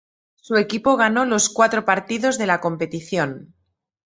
Su equipo ganó los cuatro partidos de la competición.